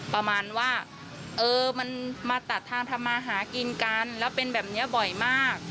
ประมาณว่าเออมันมาตัดทางทำมาหากินกันแล้วเป็นแบบนี้บ่อยมาก